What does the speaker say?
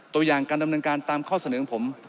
ตัวอย่างการดำเนินการตามข้อเสนอของผม